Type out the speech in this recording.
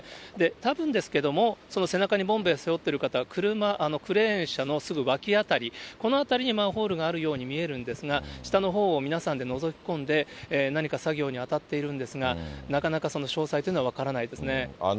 たぶんですけども、その背中にボンベを背負っている方、車、クレーン車のすぐ脇辺り、この辺りにマンホールがあるように見えるんですが、下のほうを皆さんでのぞき込んで、何か作業に当たっているんですが、なかなかその詳細というのは分からないですね。